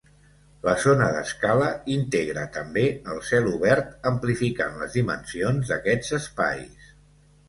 La zona d'escala integra també el cel obert amplificant les dimensions d'aquests espais.